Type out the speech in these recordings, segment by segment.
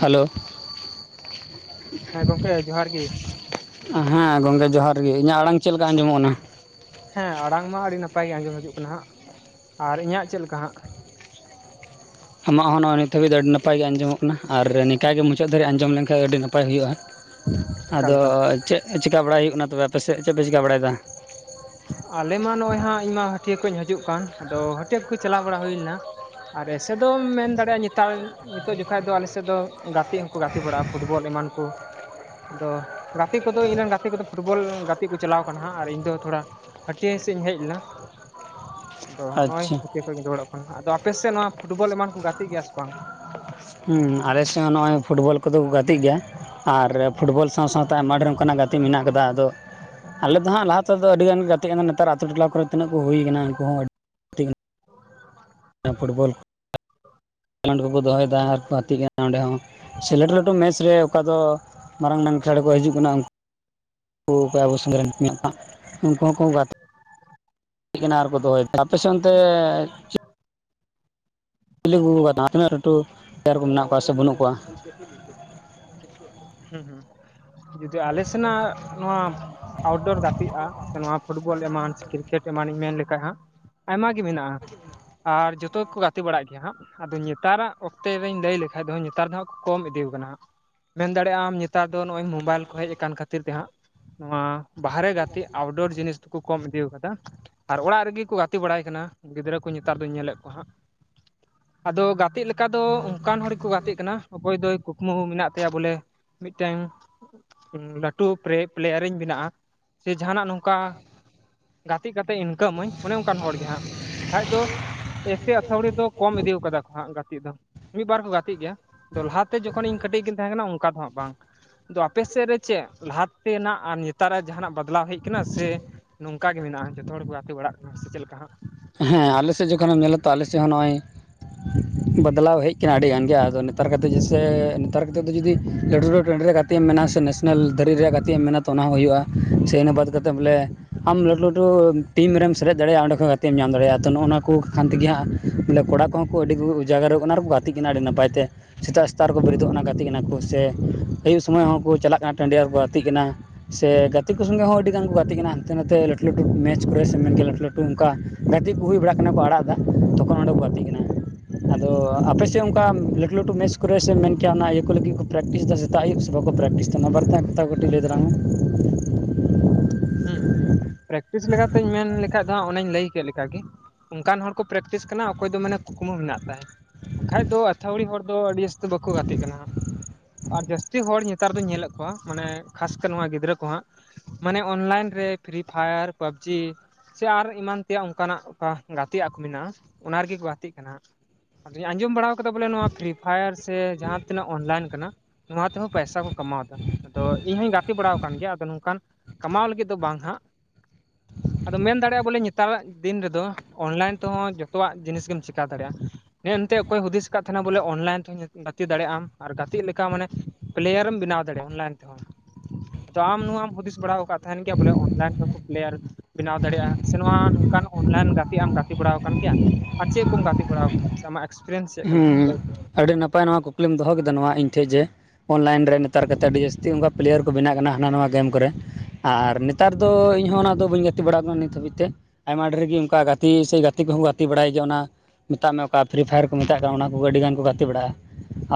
Hello ᱦᱮᱸ ᱜᱚᱢᱠᱮ ᱡᱚᱦᱟᱨ ᱜᱮ ᱦᱮᱸ ᱜᱚᱝᱠᱮ ᱡᱚᱦᱟᱨ ᱜᱮ ᱤᱧᱟᱹᱜ ᱟᱲᱟᱝ ᱪᱮᱫ ᱞᱮᱠᱟ ᱟᱸᱡᱚᱢᱚᱜ ᱠᱟᱱᱟ ᱦᱮᱸ ᱟᱲᱟᱝ ᱢᱟ ᱟᱹᱰᱤ ᱱᱟᱯᱟᱭ ᱜᱮ ᱟᱸᱡᱚᱢ ᱦᱤᱡᱩᱜ ᱠᱟᱱᱟ ᱦᱟᱸᱜ, ᱟᱨ ᱤᱧᱟᱹᱜ ᱪᱮᱫ ᱞᱮᱠᱟ ᱦᱟᱸᱜ? ᱟᱢᱟᱜ ᱦᱚᱸ ᱱᱚᱜᱼᱚᱭ ᱱᱤᱛ ᱦᱟᱹᱵᱤᱡ ᱟᱹᱰᱤ ᱱᱟᱯᱟᱭ ᱜᱮ ᱟᱸᱡᱚᱢᱚᱜ ᱠᱟᱱᱟ ᱵᱚᱦᱚ ᱱᱚᱭ ᱱᱤᱛ ᱦᱟᱹᱵᱤᱡ ᱫᱚ ᱟᱰᱤ ᱱᱟᱯᱟᱭ ᱜᱮ ᱟᱡᱚᱢᱚᱜ ᱠᱟᱱᱟ ᱟᱨ ᱱᱤᱝᱠᱟ ᱜᱮ ᱢᱩᱪᱟᱹᱫ ᱫᱷᱵᱤᱡ ᱟᱸᱡᱚᱢ ᱞᱮᱱᱠᱷᱟᱱ ᱟᱹᱰᱤ ᱱᱟᱯᱟᱭ ᱦᱩᱭᱩᱜᱼᱟ᱾ ᱚᱠᱟ ᱟᱫᱚ ᱞᱮᱠᱟ ᱪᱮᱫ ᱪᱤᱠᱟ ᱵᱟᱲᱟᱭ ᱦᱩᱭᱩᱜ ᱠᱟᱱᱟ, ᱟᱯᱮ ᱥᱮᱫ ᱪᱮᱫ ᱯᱮ ᱪᱤᱠᱟᱹ ᱵᱟᱲᱟᱭ ᱮᱫᱟ? ᱟᱞᱮ ᱢᱟ ᱱᱚᱜ-ᱚᱭ ᱦᱟᱜ ᱤᱧ ᱢᱟ ᱦᱟᱹᱴᱭᱟᱹ ᱠᱷᱚᱱᱤᱧ ᱦᱤᱡᱩᱜ ᱠᱟᱱ ᱟᱫᱚ ᱦᱟᱹᱴᱭᱟᱹ ᱠᱩ ᱪᱟᱞᱟᱣ ᱵᱟᱲᱟ ᱦᱩᱭ ᱞᱮᱱᱟ᱾ ᱟᱨ ᱮᱥᱮ ᱫᱚᱢ ᱢᱮᱱ ᱫᱟᱲᱮᱭᱟᱜᱼᱟ ᱱᱮᱛᱟᱨ ᱱᱤᱛᱚᱜ ᱡᱚᱠᱷᱟ ᱫᱚ ᱟᱞᱮ ᱥᱮᱫ ᱫᱚ ᱜᱟᱼᱼ ᱜᱟᱛᱮᱜ ᱦᱚᱸᱠᱚ ᱜᱟᱛᱮ ᱵᱟᱲᱟᱜ-ᱟ ᱯᱷᱩᱴᱵᱚᱞ ᱮᱢᱟᱱ ᱠᱚ ᱟᱫᱚ ᱜᱟᱛᱮ ᱠᱚᱫᱚ ᱤᱧᱨᱮᱱ ᱜᱟᱛᱮᱼᱼ ᱜᱟᱛᱮ ᱠᱚᱫᱚ ᱯᱷᱩᱴᱵᱚᱞ ᱜᱟᱛᱮ ᱠᱚ ᱪᱟᱞᱟᱣ ᱟᱠᱟᱱᱟ ᱦᱟᱸᱜ ᱟᱨ ᱤᱧ ᱫᱚᱼᱼ ᱛᱷᱚᱲᱟ ᱦᱟᱹᱴᱭᱟᱹ ᱥᱮᱫ ᱤᱧ ᱦᱮᱡ ᱞᱮᱱᱟ ᱟᱫᱚ ᱱᱚᱜᱼᱚᱭ ᱟᱪᱪᱷᱟ ᱠᱷᱚᱱᱤᱧ ᱨᱩᱟᱹᱲᱚᱜ ᱠᱟᱱᱟ, ᱟᱫᱚ ᱟᱯᱮᱥᱮᱫ ᱱᱚᱣᱟ ᱯᱷᱩᱴᱵᱚᱞ ᱮᱢᱟᱱ ᱠᱚ ᱜᱟᱛᱮᱜ ᱜᱮᱭᱟ ᱥᱮ ᱵᱟᱝ? ᱦᱮᱸ ᱟᱞᱮ ᱥᱮᱫ ᱦᱚᱸ ᱱᱚᱜ-ᱚᱭ ᱯᱷᱩᱴᱵᱚᱞ ᱠᱚᱫᱚ ᱠᱚ ᱜᱟᱛᱮᱜ ᱜᱮᱭᱟ ᱟᱨ ᱯᱷᱩᱴᱵᱚᱞᱼᱼ ᱥᱟᱶ ᱥᱟᱶᱛᱮ ᱟᱭᱢᱟ ᱰᱷᱮᱨ ᱚᱱᱠᱟᱱᱟᱜ ᱜᱟᱛᱮᱜ ᱢᱮᱱᱟᱜ ᱟᱠᱟᱫᱟ ᱟᱫᱚ ᱟᱞᱮ ᱫᱚ ᱦᱟᱸᱜ ᱞᱟᱦᱟ ᱛᱮ ᱫᱚ ᱟᱹᱰᱤ ᱜᱟᱱ ᱜᱟᱛᱮᱼᱼ ᱛᱮ ᱟᱱᱟᱱ ᱱᱮᱛᱟᱨ ᱟᱛᱳ ᱴᱚᱞᱟ ᱠᱚᱨᱮ ᱛᱤᱱᱟᱹᱜ ᱠᱚ ᱦᱩᱭ ᱟᱠᱟᱱᱟ ᱩᱱᱠᱩ ᱦᱚᱸ ᱟᱹᱰᱼᱼ ᱯᱷᱩᱴᱵᱚᱞ ᱠᱷᱮᱞᱳᱰ ᱠᱚᱠᱚ ᱫᱚᱦᱚ ᱭᱮᱫᱟ ᱟᱨ ᱠᱚ ᱟᱛᱮᱜ ᱠᱟᱱᱟ ᱚᱸᱰᱮ ᱦᱚᱸ ᱥᱮᱞᱮᱴᱟᱨ ᱫᱚ ᱢᱮᱪ ᱨᱮ ᱚᱠᱟ ᱫᱚ ᱢᱟᱨᱟᱝ ᱢᱮᱱ ᱠᱷᱮᱞᱟᱲ ᱠᱚ ᱦᱤᱡᱩᱜ ᱠᱟᱱᱟ ᱩᱱᱠᱩ ᱠᱚ ᱟᱵᱚ ᱥᱮᱸᱫᱽ ᱨᱮᱱ ᱠᱚ ᱢᱮᱜᱼᱼ ᱩᱱᱠᱩ ᱦᱚᱸᱠᱚ ᱜᱟᱛᱮ ᱠᱟᱱᱟ ᱟᱨᱠᱚ ᱫᱚᱦᱚᱭᱮᱫ ᱟᱯᱮ ᱥᱮᱫ ᱚᱱᱛᱮᱼᱼ ᱠᱤᱞᱤ ᱛᱤᱱᱟᱹᱜ [unintelligible] ᱞᱟᱹᱴᱩ ᱰᱟᱨ ᱠᱚ ᱢᱮᱱᱟᱜ ᱠᱚᱣᱟ ᱥᱮ ᱵᱟᱹᱱᱩᱜ ᱠᱚᱣᱟ [inaudible] ᱦᱩᱸ ᱦᱩᱸ, ᱡᱩᱫᱤ ᱟᱞᱮ ᱥᱮᱱᱟᱜ ᱱᱚᱣᱟ ᱟᱣᱴᱚᱨ ᱜᱟᱛᱮᱜᱼᱟ ᱥᱮ ᱱᱚᱣᱟ ᱯᱷᱩᱴᱵᱚᱞ ᱮᱢᱟᱱᱪᱼᱼ ᱠᱨᱤᱠᱮᱴ ᱮᱢᱟᱱᱤᱧ ᱢᱮᱱ ᱞᱮᱠᱷᱟᱡ ᱦᱟᱸᱜ ᱟᱭᱢᱟ ᱜᱮ ᱢᱮᱱᱟᱜᱼᱟ ᱟᱨ ᱡᱚᱛᱚ ᱜᱮᱠᱚ ᱜᱟᱛᱮ ᱵᱟᱲᱟᱜ ᱜᱮᱭᱟ ᱦᱟᱸᱜ᱾ ᱟᱫᱚ ᱱᱮᱛᱟᱨᱟᱜ ᱚᱠᱛᱮ ᱨᱮᱧ ᱞᱟᱹᱭ ᱞᱮᱠᱠᱷᱟᱡ ᱫᱚ ᱱᱮᱛᱟᱨ ᱫᱚ ᱦᱟᱸᱜ ᱠᱚ ᱠᱚᱢ ᱤᱫᱤ ᱠᱟᱱᱟ ᱦᱟᱸᱜ ᱢᱮᱱ ᱫᱟᱲᱮ ᱟᱢ ᱱᱮᱛᱟᱨ ᱫᱚ ᱱᱚᱜᱼᱚᱭ ᱢᱳᱵᱟᱭᱤᱞ ᱠᱚ ᱦᱮᱡ ᱟᱠᱟᱱ ᱠᱷᱟᱹᱛᱤᱨ ᱛᱮ ᱦᱟᱸᱜ ᱱᱚᱣᱟ ᱵᱟᱦᱨᱮ ᱜᱟᱛᱮ ᱟᱣᱰᱳᱨ ᱡᱤᱱᱤᱥ ᱠᱚ ᱠᱚᱢ ᱤᱫᱤᱣ ᱠᱟᱫᱟ ᱟᱨ ᱚᱲᱟᱜ ᱨᱮᱜᱮ ᱠᱚ ᱜᱟᱛᱮ ᱵᱟᱲᱟᱭ ᱠᱟᱱᱟ ᱜᱤᱫᱽᱨᱟᱹ ᱠᱚ ᱱᱮᱛᱟᱨ ᱫᱚᱧ ᱧᱮᱞᱮᱫ ᱠᱚᱣᱟ ᱦᱟᱸᱜ, ᱟᱫᱚ ᱜᱟᱛᱮᱜ ᱞᱮᱠᱟ ᱫᱚ ᱚᱱᱠᱟᱱ ᱦᱚᱲ ᱜᱮᱠᱚ ᱜᱟᱛᱮᱜ ᱠᱟᱱᱟ ᱚᱠᱚᱭ ᱫᱚᱭ ᱠᱩᱠᱢᱩ ᱢᱮᱱᱟᱜ ᱛᱮᱭᱟ ᱵᱚᱞᱮ ᱢᱤᱫᱴᱮᱝ ᱞᱟᱹᱴᱩ ᱯᱨᱮ ᱯᱞᱮᱭᱟᱨᱤᱧ ᱵᱮᱱᱟᱜ-ᱟ ᱥᱮ ᱡᱟᱦᱟᱱᱟᱜ ᱱᱚᱝᱠᱟ ᱜᱟᱛᱮ ᱠᱟᱛᱮ ᱤᱱᱠᱟᱜᱢᱟᱹᱧ ᱚᱱᱮ ᱚᱱᱠᱟᱱ ᱦᱚᱲ ᱜᱮ ᱦᱟᱸᱜ ᱵᱟᱠᱷᱟᱡ ᱫᱚ ᱮᱥᱮ ᱟᱹᱛᱷᱟᱣᱲᱤ ᱫᱚ ᱠᱚᱢ ᱤᱫᱤ ᱠᱟᱫᱟ ᱠᱚ ᱦᱟᱸᱜ ᱜᱟᱛᱮᱜ ᱫᱚ ᱢᱤᱫ ᱵᱟᱨ ᱠᱚ ᱜᱟᱛᱮᱜ ᱜᱮᱭᱟ᱾ ᱞᱟᱦᱟ ᱛᱮ ᱡᱚᱠᱷᱚᱱ ᱤᱧ ᱠᱟᱹᱴᱤᱡ [inaudible] ᱚᱱᱠᱟ ᱫᱚ ᱦᱟᱸᱜ ᱵᱟᱝ ᱛᱚ ᱟᱯᱮ ᱥᱮᱫ ᱨᱮ ᱪᱮᱫ ᱞᱟᱦᱟ ᱛᱮᱱᱟᱜ ᱟᱨ ᱱᱮᱛᱟᱨᱟᱜ ᱡᱟᱦᱟᱱᱟᱜ ᱪᱟᱞᱟᱣ ᱦᱮᱡ ᱠᱟᱱᱟ ᱥᱮ ᱱᱚᱝᱠᱟᱜ ᱜᱮ ᱢᱮᱱᱟᱜᱼᱟ ᱡᱚᱛᱚ ᱦᱚᱲ ᱠᱚ ᱜᱟᱛᱮ ᱵᱟᱲᱟᱜ ᱠᱟᱱᱟ ᱥᱮ ᱪᱮᱫ ᱞᱮᱠᱟ ᱦᱟᱸᱜ, ᱦᱮᱸ ᱟᱞᱮ ᱥᱮᱫ ᱡᱚᱠᱷᱚᱱᱮᱢ ᱧᱮᱞᱟ ᱛᱚ ᱟᱞᱮ ᱥᱮᱫ ᱦᱚᱸ ᱱᱚᱜᱼᱚᱭ ᱵᱟᱫᱞᱟᱣ ᱦᱮᱡ ᱠᱟᱱᱟ ᱟᱹᱰᱤ ᱜᱟᱱ ᱜᱮ ᱟᱫᱚ ᱱᱮᱛᱟᱨ ᱱᱮᱛᱟᱨ ᱠᱟᱛᱮ ᱫᱚ ᱡᱩᱫᱤ [unintelligible] ᱜᱟᱛᱮᱜ ᱮᱢ ᱢᱮᱱ ᱟ ᱥᱮ ᱱᱮᱥᱱᱮᱞ ᱨᱮᱭᱟᱜ ᱜᱟᱛᱮᱜ ᱮᱢ ᱢᱮᱱᱟ ᱛᱚ ᱚᱱᱟ ᱦᱚᱸ ᱦᱩᱭᱩᱜᱼᱟ ᱥᱮ ᱤᱱᱟᱹ ᱵᱟᱫᱽ ᱠᱟᱛᱮᱫ ᱵᱚᱞᱮ ᱟᱢ ᱞᱟᱹᱴᱷᱩ ᱞᱟᱹᱴᱩ ᱴᱤᱢ ᱨᱮᱢ ᱥᱮᱞᱮᱫ ᱫᱟᱲᱮᱭᱟᱜᱼᱟ ᱚᱸᱰᱮ ᱠᱷᱚᱡ ᱛᱮᱢ ᱧᱟᱢ ᱫᱟᱲᱮᱭᱟᱜᱼᱟ ᱛᱚ ᱱᱚᱜᱱᱚᱣᱟ ᱠᱩ ᱠᱷᱟᱱ ᱛᱮᱜᱮ ᱦᱟᱸᱜ ᱠᱚᱲᱟ ᱠᱚᱦᱚᱸ ᱠᱚ ᱟᱹᱰᱤ ᱠᱚ ᱡᱟᱜᱟᱨᱚᱜ ᱠᱟᱱᱟ ᱟᱨᱠᱚ ᱜᱟᱛᱮᱜ ᱠᱟᱱᱟ ᱟᱹᱰᱤ ᱱᱟᱯᱟᱭ ᱛᱮ᱾ ᱥᱮᱛᱟᱜ ᱥᱮᱛᱟᱜ ᱨᱮᱠᱚ ᱵᱮᱨᱮᱫᱚᱜ ᱜᱟᱛᱮᱜ ᱠᱟᱱᱟ ᱠᱚ ᱥᱮ ᱟᱹᱭᱩᱵ ᱥᱚᱢᱚᱭ ᱦᱚᱸᱠᱚ ᱪᱟᱞᱟᱜ ᱠᱟᱱᱟ ᱴᱟᱺᱰᱤ ᱟᱨ ᱠᱩ ᱜᱟᱛᱮᱜ ᱠᱟᱱᱟ᱾ ᱥᱮ ᱜᱟᱛᱮ ᱠᱚ ᱥᱚᱸᱜᱮ ᱦᱚᱸ ᱟᱹᱰᱤᱜᱟᱱ ᱠᱚ ᱜᱟᱛᱮᱜ ᱠᱟᱱᱟ ᱦᱟᱱᱛᱮ ᱱᱟᱛᱮ ᱞᱟᱹᱴᱩ ᱞᱟᱹᱴᱩ ᱢᱮᱪ ᱠᱚᱨᱮ ᱥᱮ ᱞᱟᱹᱴᱩ ᱞᱟᱹᱴᱩ ᱚᱝᱠᱟ ᱠᱟᱹᱴᱤᱡ ᱦᱩᱭ ᱵᱟᱲᱟᱜ ᱠᱟᱱᱟ ᱠᱚ ᱟᱲᱟᱜ ᱮᱫᱟ ᱛᱚᱠᱷᱚᱱ ᱚᱸᱰᱮ ᱠᱚ ᱜᱟᱛᱮᱜ ᱠᱟᱱᱟ᱾ ᱟᱫᱚ ᱟᱯᱮᱥᱮᱫ ᱚᱝᱠᱟ ᱞᱟᱹᱴᱩ ᱞᱟᱹᱴᱩ ᱢᱮᱪ ᱠᱚᱨᱮ ᱥᱮ ᱢᱮᱱ ᱠᱮᱭᱟ ᱚᱱᱟ ᱤᱭᱟᱹ ᱠᱚ ᱞᱟᱹᱜᱤᱫ ᱠᱚ ᱯᱨᱮᱠᱴᱤᱥ ᱮᱫᱟ ᱥᱮ ᱥᱮᱛᱟᱜ ᱟᱹᱭᱩᱵ ᱥᱮ ᱵᱟᱠᱚ ᱯᱨᱮᱠᱴᱤᱥ ᱵᱟᱨ [inaudible] ᱦᱩᱸ ᱦᱩᱸ ᱯᱨᱮᱠᱴᱤᱥ ᱞᱮᱠᱟᱛᱤᱧ ᱢᱮᱱ ᱞᱮᱠᱷᱟᱡ ᱫᱚ ᱦᱟᱸᱜ ᱚᱱᱮᱧ ᱞᱟᱹᱭ ᱠᱮᱫ ᱞᱮᱠᱟᱜᱮ ᱚᱱᱠᱟᱱ ᱦᱚᱲ ᱠᱚ ᱯᱨᱮᱠᱴᱤᱥ ᱠᱟᱱᱟ ᱚᱠᱚᱭ ᱫᱚ ᱢᱟᱱᱮ ᱠᱩᱠᱢᱩ ᱢᱮᱱᱟᱜ ᱛᱟᱭ ᱵᱟᱠᱷᱟᱡ ᱫᱚ ᱟᱹᱛᱷᱟᱣᱲᱤ ᱦᱚᱲ ᱫᱚ ᱟᱹᱰᱤ ᱵᱟᱠᱚ ᱜᱟᱛᱮᱜ ᱠᱟᱱᱟ ᱦᱟᱸᱜ ᱟᱨ ᱡᱟᱹᱥᱛᱤ ᱦᱚᱲ ᱱᱮᱛᱟᱨ ᱫᱩᱧ ᱧᱮᱞᱮᱫ ᱠᱚᱣᱟ ᱢᱟᱱᱮ ᱠᱷᱟᱥ ᱛᱮ ᱱᱚᱣᱟ ᱜᱤᱫᱽᱨᱟᱹ ᱠᱚ ᱦᱟᱸᱜ ᱢᱟᱱᱮ ᱚᱱᱞᱟᱭᱤᱱ ᱨᱮ ᱯᱷᱨᱤ ᱯᱷᱟᱭᱟᱨ ᱯᱟᱵᱽᱡᱤ ᱥᱮ ᱟᱨ ᱮᱢᱟᱱ ᱛᱮᱭᱟᱜ ᱚᱱᱠᱟᱱᱟᱜᱠᱟ ᱜᱟᱛᱮᱜ ᱠᱚ ᱢᱮᱱᱟᱜᱼᱟ ᱚᱱᱟ ᱨᱮᱜᱮ ᱠᱚ ᱜᱟᱛᱮᱜ ᱠᱟᱱᱟ᱾ ᱡᱮ ᱟᱸᱡᱚᱢ ᱵᱟᱲᱟ ᱠᱟᱫᱟ ᱵᱚᱞᱮ ᱱᱚᱣᱟ ᱯᱷᱨᱤ ᱯᱷᱟᱭᱟᱨ ᱥᱮ ᱡᱟᱦᱟᱸ ᱛᱤᱱᱟᱹᱜ ᱚᱱᱞᱟᱭᱤᱱ ᱠᱟᱱᱟ ᱱᱚᱣᱟ ᱛᱮᱦᱚᱸ ᱯᱚᱭᱥᱟ ᱠᱚ ᱠᱟᱢᱟᱣ ᱫᱟ ᱟᱫᱚ ᱤᱧ ᱦᱚᱧ ᱜᱟᱛᱮ ᱵᱟᱲᱟ ᱟᱠᱟᱱ ᱜᱮᱭᱟ ᱟᱫᱚ ᱱᱚᱝᱠᱟᱱ ᱠᱟᱢᱟᱣ ᱞᱟᱹᱜᱤᱫ ᱫᱚ ᱵᱟᱝ ᱦᱟᱸᱜ ᱟᱫᱚ ᱢᱮᱱ ᱫᱟᱲᱮᱭᱟᱜᱼᱟ ᱵᱚᱞᱮ ᱱᱮᱛᱟᱨᱟᱜ ᱫᱤᱱ ᱨᱮᱫᱚ ᱚᱱᱞᱟᱭᱤᱱ ᱛᱮᱦᱚᱸ ᱡᱷᱚᱛᱚᱣᱟᱜ ᱡᱤᱱᱤᱥ ᱜᱮᱢ ᱪᱮᱠᱟ ᱫᱟᱲᱮᱭᱟᱜᱼᱟ ᱦᱮᱸᱮᱱᱛᱮ ᱚᱠᱚᱭ ᱦᱩᱫᱤᱥ ᱟᱠᱟᱫ ᱛᱟᱦᱮᱱᱟ ᱵᱚᱞᱮ ᱚᱱᱞᱟᱭᱤᱱ ᱛᱮᱦᱚᱸ ᱜᱟᱛᱮᱜ ᱫᱟᱲᱮᱭᱟᱜ ᱟᱢ ᱟᱨ ᱜᱟᱛᱮᱜ ᱞᱮᱠᱟ ᱢᱟᱱᱮ ᱯᱮᱞᱭᱟᱨᱮᱢ ᱵᱮᱱᱟᱣ ᱫᱟᱲᱮᱭᱟᱜᱼᱟ ᱚᱱᱞᱟᱭᱤᱱ ᱛᱮᱦᱚᱸ ᱛᱚ ᱟᱢ ᱱᱚᱣᱟᱢ ᱦᱩᱫᱤᱥ ᱵᱟᱲᱟ ᱠᱟᱛᱷᱟ ᱛᱟᱦᱮᱱ ᱜᱮᱭᱟ ᱵᱚᱞᱮ ᱚᱱᱞᱟᱭᱤᱱ ᱛᱮᱦᱚᱸᱯᱮᱞᱭᱟᱨ ᱵᱮᱱᱟᱣ ᱫᱟᱲᱮᱭᱟᱜᱼᱟ ᱥᱮ ᱱᱚᱣᱟ ᱱᱚᱝᱠᱟᱱ ᱚᱱᱞᱟᱭᱤᱱ ᱜᱟᱛᱮᱜ ᱟᱢ ᱜᱟᱛᱮ ᱵᱟᱲᱟ ᱟᱠᱟᱱ ᱜᱮᱭᱟ ᱟᱨ ᱪᱮᱫ ᱠᱚᱢ ᱜᱟᱛᱮ ᱵᱟᱲᱟᱣ ᱟᱠᱟᱱᱟ ᱟᱢᱟᱜ ᱮᱠᱥᱯᱨᱤᱭᱮᱱᱥ ᱪᱮᱫ ᱠᱟ ᱱᱟᱦᱟᱜ ᱦᱩᱸ ᱞᱟᱹᱭ ᱢᱮ ᱟᱹᱰᱤ ᱱᱟᱯᱟᱭ ᱱᱚᱣᱟ ᱠᱚ ᱠᱩᱠᱞᱤᱢ ᱫᱚᱦᱚ ᱠᱮᱫᱟ ᱱᱚᱣᱟ ᱤᱧ ᱴᱷᱮᱱ ᱡᱮ ᱚᱱᱞᱟᱭᱤᱱ ᱨᱮ ᱱᱮᱛᱟᱨ ᱠᱟᱛᱮᱫ ᱟᱹᱰᱤ ᱡᱟᱹᱥᱛᱤ ᱚᱱᱠᱟ ᱯᱮᱞᱭᱟᱨ ᱠᱚ ᱵᱮᱱᱟᱜ ᱠᱟᱱᱟ ᱦᱟᱱᱟ ᱱᱚᱣᱟ ᱜᱮᱢ ᱠᱚᱨᱮ ᱟᱨ ᱱᱮᱛᱟᱨ ᱫᱚ ᱤᱧ ᱦᱚᱸ ᱚᱱᱟ ᱫᱚ ᱵᱟᱹᱧ ᱜᱟᱛᱮ ᱵᱟᱲᱟᱣ ᱟᱠᱟᱱᱟ ᱱᱤᱛ ᱦᱟᱹᱵᱤᱡ ᱛᱮ ᱟᱭᱢᱟ ᱰᱷᱮᱨ ᱜᱮ ᱚᱱᱠᱟ ᱜᱟᱛᱮ ᱥᱮ ᱜᱟᱛᱮ ᱠᱚᱦᱚᱸ ᱠᱚ ᱜᱟᱛᱮ ᱵᱟᱲᱟᱭ ᱜᱮᱭᱟ ᱚᱱᱟ ᱢᱮᱛᱟᱜ ᱢᱮ ᱚᱠᱟ ᱯᱷᱤᱨᱤ ᱯᱷᱟᱭᱟᱨ ᱢᱮᱛᱟᱜ ᱠᱟᱱᱟ ᱚᱱᱟ ᱠᱚ ᱟᱹᱰᱤ ᱜᱟᱱ ᱠᱚ ᱜᱟᱛᱮ ᱵᱟᱲᱟᱜᱼᱟ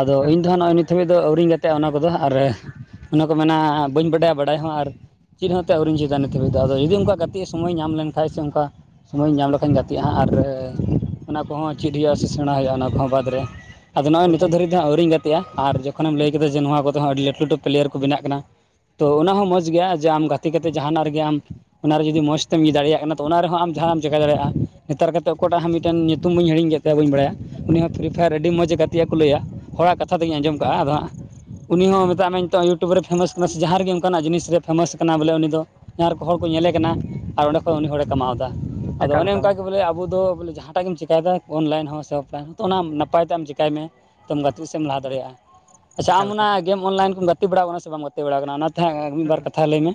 ᱟᱭᱫᱚ ᱤᱧᱫᱚ ᱱᱚᱜᱼᱚᱭ ᱱᱤᱛ ᱫᱷᱟᱹᱵᱤᱡ ᱫᱚ ᱟᱹᱣᱨᱤᱧ ᱜᱟᱛᱮᱜ-ᱟ ᱾ ᱚᱱᱟ ᱠᱚᱫᱚ ᱟᱨ ᱚᱱᱟ ᱠᱚ ᱢᱮᱱᱟ ᱵᱟᱹᱧ ᱵᱟᱰᱟᱭᱟ ᱵᱟᱰᱟᱭ ᱦᱚᱸ ᱟᱨ ᱪᱮᱫ ᱦᱚᱛᱚ ᱟᱹᱣᱨᱤᱢ ᱪᱮᱠᱟ ᱱᱤᱛᱚᱜ ᱨᱮᱫᱚ ᱟᱫᱚ ᱡᱩᱫᱤ ᱚᱱᱠᱟ ᱜᱟᱛᱮᱜ ᱥᱚᱢᱚᱭ ᱧᱟᱢ ᱞᱮᱱᱠᱷᱟᱱᱡ ᱥᱮ ᱚᱱᱠᱟ ᱥᱳᱢᱚᱭ ᱤᱧ ᱧᱟᱢ ᱞᱮᱠᱷᱟᱧ ᱜᱟᱛᱮᱜᱼᱟ ᱦᱟᱸᱜ ᱟᱨ ᱚᱱᱟ ᱠᱚᱦᱚᱸ ᱪᱮᱫ ᱦᱩᱭᱩᱜᱼᱟ ᱾ ᱥᱮᱟ ᱦᱩᱭᱩᱜᱼᱟ ᱚᱱᱟ ᱠᱚᱦᱚ ᱵᱟᱫᱽ ᱨᱮ ᱟᱫᱚ ᱢᱮ ᱱᱚᱜᱚᱭ ᱦᱮᱸ ᱮᱠᱟᱞ ᱱᱤᱛᱚᱜ ᱫᱷᱟᱨᱤᱡ ᱟᱹᱣᱨᱤᱧ ᱜᱟᱛᱮᱜᱼᱟ ᱟᱨ ᱡᱚᱠᱷᱚᱱ ᱮᱢ ᱞᱟᱹᱭ ᱠᱮᱫᱟ ᱡᱮ ᱱᱚᱣᱟ ᱠᱚᱛᱮ ᱦᱚᱸ ᱟᱹᱰᱤ ᱞᱟᱹᱴᱩ ᱞᱟᱹᱴᱩ ᱯᱮᱞᱭᱟᱨ ᱠᱚ ᱵᱮᱱᱟᱜ ᱠᱟᱱᱟ ᱛᱚ ᱚᱱᱟ ᱦᱚᱸ ᱢᱚᱸᱡᱽ ᱜᱮᱭᱟ ᱡᱮ ᱟᱢ ᱜᱟᱛᱮ ᱠᱟᱛᱮᱜ ᱡᱟᱦᱱᱟᱜ ᱨᱮᱜᱮ ᱟᱢ ᱚᱱᱟᱨᱮ ᱡᱩᱫᱤ ᱢᱚᱸᱡᱽ ᱛᱮᱢ ᱫᱟᱲᱮᱭᱟᱜ ᱠᱟᱱᱟ ᱚᱱᱟ ᱨᱮᱦᱚᱸ ᱟᱢ ᱡᱟᱦᱱᱟᱜ ᱮᱢ ᱪᱮᱠᱟ ᱫᱟᱲᱮᱭᱟᱜᱟ ᱱᱮᱛᱟᱨ ᱠᱟᱛᱮᱫ ᱚᱠᱟᱴᱟᱜ ᱦᱚᱸ ᱢᱤᱫᱴᱟᱱ ᱧᱩᱛᱩᱢ ᱦᱟᱹᱧ ᱦᱤᱲᱤᱧ ᱪᱮ ᱛᱟᱭᱟ ᱦᱩᱸ ᱵᱟᱹᱧ ᱵᱟᱲᱟᱭᱟ ᱩᱱᱤ ᱦᱚᱸ ᱯᱷᱤᱨᱤ ᱯᱷᱟᱭᱟᱨ ᱟᱹᱰᱤ ᱢᱚᱸᱡᱽ ᱮ ᱜᱟᱛᱮᱜᱼᱟ ᱠᱚ ᱞᱟᱹᱭᱟ ᱦᱚᱲᱟᱜ ᱠᱟᱛᱷᱟ ᱫᱚᱧ ᱟᱡᱚᱢ ᱦᱩᱸ ᱠᱟᱜᱼᱟ ᱟᱫᱚ ᱦᱟᱸᱜ ᱩᱱᱤ ᱦᱚᱸ ᱢᱮᱛᱟᱜ ᱢᱮ ᱱᱤᱛᱚᱜ ᱤᱭᱩᱴᱩᱵᱽ ᱨᱮ ᱯᱷᱮᱢᱟ ᱠᱟᱱᱟ ᱥᱮ ᱡᱟᱸᱦᱟ ᱨᱮᱜᱮ ᱚᱱᱠᱟᱱᱟᱜ ᱡᱤᱱᱤᱥ ᱨᱮ ᱯᱷᱮᱢᱟᱥ ᱠᱟᱱᱟ ᱵᱚᱞᱮ ᱩᱱᱤ ᱫᱚ ᱡᱟᱸᱦᱟ ᱨᱮᱠᱚ ᱦᱚᱲ ᱠᱚ ᱧᱮᱞᱮ ᱠᱟᱱᱟ ᱟᱨ ᱚᱸᱰᱮ ᱠᱷᱚᱱ ᱩᱱᱤ ᱦᱚᱲᱮ ᱠᱟᱢᱟᱣ ᱫᱟ ᱟᱫᱚ ᱮᱠᱟᱞ ᱚᱱᱮ ᱮᱠᱟᱞ ᱚᱱᱠᱟᱜᱮ ᱵᱚᱞᱮ ᱟᱵᱚᱫᱚ ᱵᱚᱞᱮ ᱡᱟᱸᱦᱟᱴᱟᱜ ᱜᱮᱢ ᱪᱤᱠᱟᱭᱮᱫᱟ ᱚᱱᱞᱟᱭᱤᱱ ᱦᱚᱸ ᱥᱮ ᱱᱤᱛᱚᱜ ᱚᱱᱟ ᱱᱟᱯᱟᱭᱛᱮ ᱟᱢ ᱪᱮᱠᱟᱹᱭ ᱢᱮ ᱛᱚ ᱜᱟᱛᱮᱜ ᱥᱮᱫ ᱮᱢ ᱞᱟᱦᱟ ᱫᱟᱲᱮᱭᱟᱜᱼᱟ ᱟᱪᱪᱷᱟ ᱟᱢ ᱮᱠᱟᱞ ᱚᱱᱟ ᱮᱠᱟᱞ ᱜᱮᱢ ᱚᱱᱞᱟᱭᱤᱱ ᱠᱚᱢ ᱜᱟᱛᱮ ᱵᱟᱲᱟᱣ ᱠᱟᱱᱟ ᱥᱮ ᱵᱟᱝ ᱜᱟᱛᱮ ᱵᱟᱲᱟᱣ ᱠᱟᱱᱟ ᱚᱱᱟᱛᱮ ᱦᱟᱸᱜ ᱦᱩᱸ ᱦᱩᱸ ᱢᱤᱫᱵᱟᱨ ᱠᱟᱛᱷᱟ ᱞᱟᱹᱭ ᱢᱮ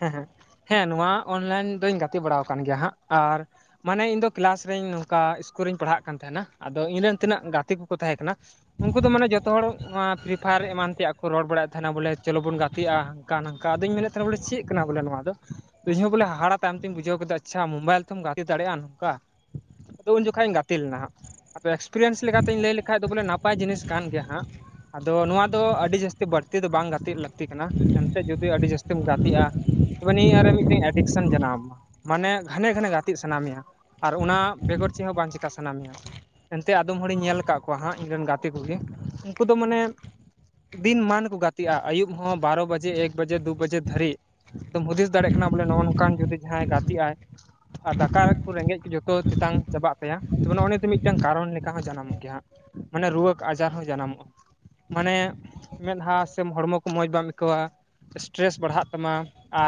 ᱦᱮᱸ ᱦᱮᱜᱸ ᱦᱮᱸ ᱱᱚᱣᱟ ᱚᱱᱞᱟᱭᱤᱱ ᱫᱚᱧ ᱜᱟᱛᱮ ᱵᱟᱲᱟ ᱟᱠᱟᱱ ᱜᱮᱭᱟ ᱦᱟᱸᱜ ᱟᱨ ᱢᱟᱱᱮ ᱤᱧ ᱫᱚ ᱠᱮᱞᱟᱥ ᱨᱮᱧ ᱱᱚᱝᱠᱟ ᱤᱥᱠᱩᱞ ᱨᱤᱧ ᱯᱟᱲᱦᱟᱜ ᱠᱟᱱ ᱛᱟᱦᱮᱸᱱᱟ ᱟᱫᱚ ᱤᱧ ᱨᱮᱱ ᱛᱤᱱᱟᱹᱜ ᱜᱟᱛᱮ ᱠᱩ ᱛᱟᱦᱮᱸ ᱠᱟᱱᱟ ᱩᱱᱠᱩ ᱫᱚ ᱢᱟᱱᱮ ᱡᱚᱛᱚ ᱦᱚᱲ ᱯᱷᱤᱨᱤ ᱯᱷᱟᱭᱟᱨ ᱮᱢᱟᱱ ᱛᱮᱭᱟᱜ ᱠᱚ ᱨᱚᱲ ᱵᱟᱲᱟᱭᱮᱫ ᱛᱟᱦᱮᱱᱟ ᱵᱚᱞᱮ ᱪᱚᱞᱚ ᱵᱚᱱ ᱜᱟᱛᱮᱜᱼᱟ ᱦᱝᱠᱟ ᱱᱟᱝᱠᱟ ᱟᱫᱚᱧ ᱢᱮᱱᱮᱫ ᱛᱟᱦᱮᱸᱱᱟ ᱵᱚᱞᱮ ᱪᱮᱫ ᱠᱟᱱᱟ ᱵᱚᱞᱮ ᱱᱚᱣᱟ ᱫᱚ ᱤᱧ ᱦᱚᱸ ᱵᱚᱞᱮ ᱦᱟᱲᱟᱜ ᱛᱟᱭᱚᱢ ᱛᱤᱧ ᱵᱩᱡᱷᱟᱹᱣ ᱠᱮᱫᱟ ᱟᱪᱪᱷᱟ ᱢᱳᱵᱟᱭᱤᱞ ᱛᱮᱦᱚᱢ ᱜᱟᱛᱮ ᱫᱟᱲᱮᱭᱟᱜᱼᱟ ᱱᱚᱝᱠᱟ ᱟᱫᱚ ᱩᱱ ᱡᱚᱠᱷᱚᱡ ᱤᱧ ᱜᱟᱛᱮ ᱞᱮᱱᱟ ᱦᱟᱸᱜ ᱟᱫᱚ ᱮᱠᱥᱯᱨᱤᱭᱮᱱᱥ ᱞᱮᱠᱟᱛᱤᱧ ᱞᱟᱹᱭ ᱞᱮᱠᱷᱟᱡ ᱫᱚ ᱵᱚᱞᱮ ᱱᱟᱯᱟᱭ ᱡᱤᱱᱤᱥ ᱠᱟᱱ ᱜᱮᱭᱟ ᱦᱟᱸᱜ ᱟᱫᱚ ᱱᱚᱣᱟ ᱫᱚ ᱟᱹᱰᱤ ᱡᱟᱹᱥᱛᱤ ᱵᱟᱹᱲᱛᱤ ᱫᱚ ᱵᱟᱝ ᱜᱟᱛᱮᱜ ᱞᱟᱹᱠᱛᱤ ᱠᱟᱱᱟ᱾ ᱮᱱᱛᱮ ᱡᱩᱫᱤ ᱟᱹᱰᱤ ᱡᱟᱹᱥᱛᱤᱢ ᱜᱟᱛᱮᱜᱼᱟ ᱛᱚᱵᱮ ᱱᱤᱭᱟᱹ ᱟᱨ ᱢᱤᱫᱴᱮᱱ ᱮᱰᱤᱠᱥᱮᱱ ᱡᱟᱱᱟᱢ ᱟᱢᱟ ᱢᱟᱱᱮ ᱜᱷᱟᱱᱮ ᱜᱷᱟᱱᱮ ᱜᱟᱛᱮᱜ ᱥᱟᱱᱟ ᱢᱮᱭᱟ ᱟᱨ ᱚᱱᱟ ᱵᱮᱜᱚᱨ ᱪᱮᱫ ᱦᱚᱸ ᱪᱮᱠᱟ ᱵᱟᱝ ᱥᱟᱱᱟ ᱢᱮᱭᱟ ᱮᱱᱛᱮᱜ ᱟᱫᱚᱢ ᱦᱚᱲᱤᱧ ᱧᱮᱞ ᱟᱠᱟᱫ ᱠᱚᱣᱟ ᱦᱟᱸᱜ ᱤᱧ ᱨᱮᱱ ᱜᱟᱛᱮ ᱠᱚᱜᱮ ᱩᱱᱠᱩ ᱫᱚ ᱢᱟᱱᱮ ᱫᱤᱱ ᱢᱟᱱ ᱠᱚ ᱜᱟᱛᱮᱜᱼᱟ ᱟᱹᱭᱩᱵ ᱦᱚᱸ ᱵᱟᱨᱚ ᱵᱟᱡᱮ ᱮᱠ ᱵᱟᱡᱮ ᱫᱩ ᱵᱟᱡᱮ ᱫᱷᱟᱹᱨᱤᱡ ᱟᱫᱚᱢ ᱦᱩᱫᱤᱥ ᱫᱟᱲᱮᱭᱟᱜ ᱠᱟᱱᱟ ᱵᱚᱞᱮ ᱱᱚᱜᱚ ᱱᱚᱝᱠᱟᱱ ᱡᱩᱫᱤ ᱡᱟᱦᱟᱸᱭ ᱜᱟᱛᱮᱜᱼ ᱟᱭ ᱟᱨ ᱫᱟᱠᱟ ᱠᱚ ᱨᱮᱸᱜᱮᱡ ᱡᱚᱛᱚ ᱛᱮᱛᱟᱝ ᱪᱟᱵᱟᱜ ᱠᱟᱱᱟ᱾ ᱟᱯᱮᱭᱟ ᱛᱚᱵᱮ ᱱᱚᱜᱚ ᱱᱤᱭᱟ ᱛᱮ ᱢᱤᱫᱴᱟᱝ ᱠᱟᱨᱚᱱ ᱞᱮᱠᱟ ᱦᱚᱸ ᱡᱟᱱᱟᱢᱚᱜ ᱜᱮᱭᱟ ᱦᱟᱸᱜ ᱢᱟᱱᱮ ᱨᱳᱠ ᱟᱡᱟᱨ ᱦᱚᱸ ᱡᱟᱱᱟᱢᱚᱜᱼᱟ᱾ ᱢᱟᱱᱮ ᱢᱮᱫᱦᱟ ᱥᱮ ᱦᱚᱲᱢᱚ ᱠᱚ ᱢᱚᱸᱡᱽ ᱵᱟᱢ ᱟᱹᱭᱠᱟᱹᱣᱟ ᱥᱴᱨᱮᱥ ᱵᱟᱹᱲᱦᱟᱜ ᱛᱟᱢᱟ